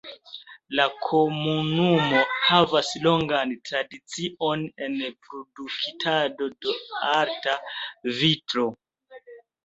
La komunumo havas longan tradicion en produktado de arta vitro.